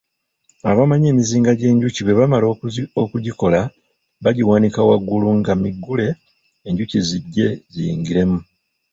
Abamanyi emizinga gy’enjuki bwe bamala okugikola bagiwanika waggulu nga miggule enjuki zijje ziyingiremu.